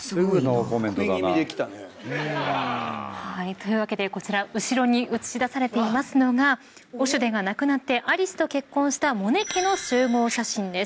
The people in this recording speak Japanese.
［すごいな］というわけでこちら後ろに映しだされていますのがオシュデが亡くなってアリスと結婚したモネ家の集合写真です。